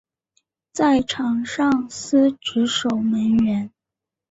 在场上司职守门员。